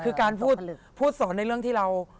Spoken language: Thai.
คือการพูดสอนในเรื่องที่เรา